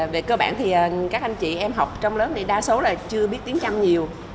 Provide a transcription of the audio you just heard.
về cơ bản thì các anh chị em học trong lớp thì đa số là chưa biết tiếng trăm nhiều